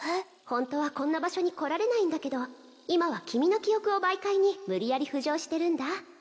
ホントはこんな場所に来られないんだけど今は君の記憶を媒介に無理やり浮上してるんだ